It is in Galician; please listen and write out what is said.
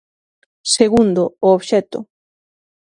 Segundo, o obxecto.